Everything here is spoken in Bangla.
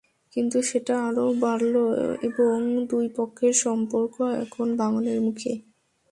কিন্তু সেটা আরও বাড়ল এবং দুই পক্ষের সম্পর্ক এখন ভাঙনের মুখে।